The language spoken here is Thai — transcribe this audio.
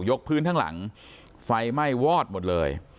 พื้นข้างหลังไฟไหม้วอดหมดเลย